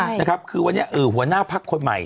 ใช่นะครับคือวันนี้หัวหน้าพักคนใหม่